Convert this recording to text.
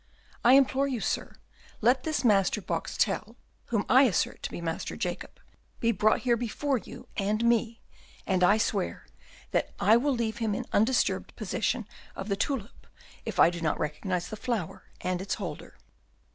I implore you, sir, let this Master Boxtel, whom I assert to be Master Jacob, be brought here before you and me, and I swear that I will leave him in undisturbed possession of the tulip if I do not recognise the flower and its holder."